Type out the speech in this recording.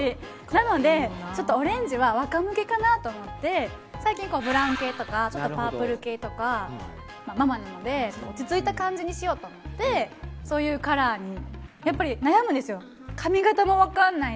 なのでオレンジは若向けかなと思って最近、ブラウン系とかパープル系とかママなので落ち着いた感じにしようと思ってそういうカラーに。